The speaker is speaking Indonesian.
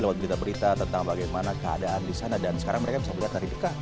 lewat berita berita tentang bagaimana keadaan di sana dan sekarang mereka bisa melihat hari dekat